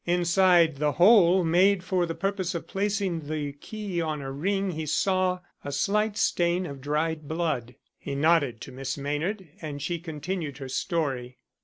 Inside the hole made for the purpose of placing the key on a ring he saw a slight stain of dried blood. He nodded to Miss Maynard and she continued her story.